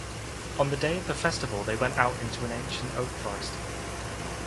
On the day of the festival they went out into an ancient oak forest.